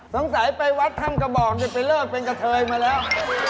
สงสัยไปวัดถ้ำกระบอกไปเลิกเป็นกระเทยมาแล้ว